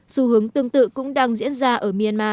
xu hướng tương tự cũng đang diễn ra ở myanmar